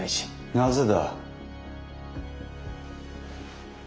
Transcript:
なぜだ。